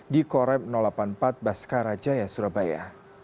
di korem delapan puluh empat baskarajaya surabaya